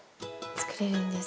作れるんです。